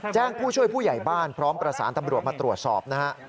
ผู้ช่วยผู้ใหญ่บ้านพร้อมประสานตำรวจมาตรวจสอบนะฮะ